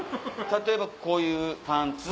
例えばこういうパンツ。